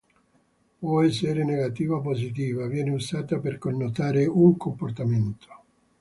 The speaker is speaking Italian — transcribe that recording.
Può essere negativa o positiva, viene usata per connotare un comportamento.